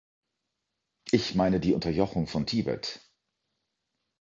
Ich meine die Unterjochung von Tibet.